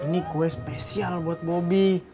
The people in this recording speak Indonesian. ini kue spesial buat bobby